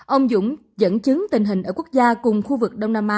ông dũng dẫn chứng tình hình ở quốc gia cùng khu vực đông nam á